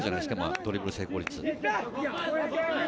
ドリブル成功率。